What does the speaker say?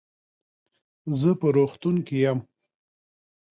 زه په روغتون کې يم.